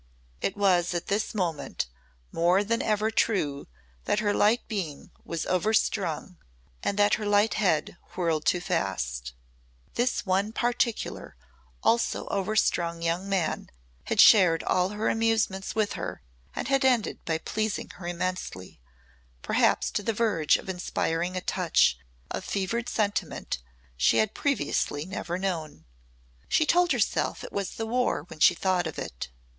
It was at this moment more than ever true that her light being was overstrung and that her light head whirled too fast. This one particular also overstrung young man had shared all her amusements with her and had ended by pleasing her immensely perhaps to the verge of inspiring a touch of fevered sentiment she had previously never known. She told herself that it was the War when she thought of it.